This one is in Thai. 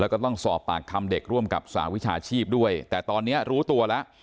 แล้วก็ต้องสอบปากคำเด็กร่วมกับสหวิชาชีพด้วยแต่ตอนนี้รู้ตัวแล้ว